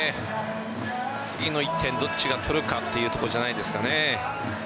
次の１点どっちが取るかというところじゃないですかね。